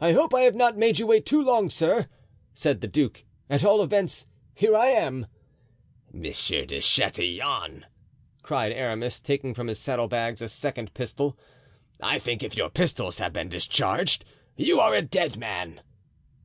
"I hope I have not made you wait too long, sir," said the duke; "at all events, here I am." "Monsieur de Chatillon," cried Aramis, taking from his saddle bags a second pistol, "I think if your pistols have been discharged you are a dead man."